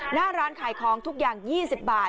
หน้าร้านขายของทุกอย่าง๒๐บาท